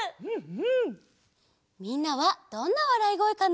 みんなはどんなわらいごえかな？